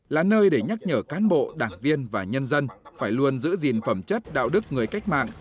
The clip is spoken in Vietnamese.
là nơi để nhắc nhở cán bộ đảng viên và nhân dân phải luôn giữ gìn phẩm chất đạo đức người cách mạng